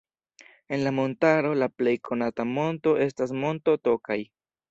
En la montaro la plej konata monto estas Monto Tokaj.